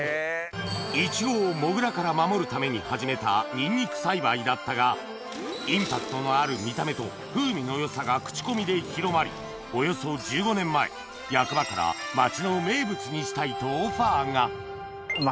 イチゴをモグラから守るために始めたニンニク栽培だったがインパクトのある見た目と風味の良さがクチコミで広まり役場からとオファーがハハハ。